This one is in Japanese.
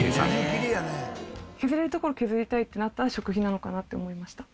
削れるところ削りたいってなったら食費なのかなって思いました。